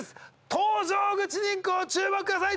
登場口にご注目ください